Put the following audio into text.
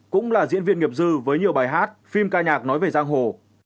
cũng là diễn viên nghiệp dư với nhiều bài hát phim ca nhạc nói về giang hồ